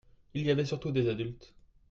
il y avait surtout des adultes.